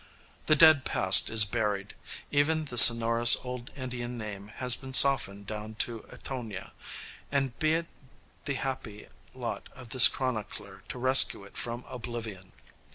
The dead past is buried: even the sonorous old Indian name has been softened down to Etonia: be it the happy lot of this chronicler to rescue it from oblivion!